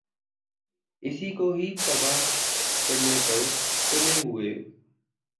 اسی کو ہی تباہ کرنے پر تلے ہوۓ ۔